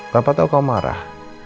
papa tau kamu marah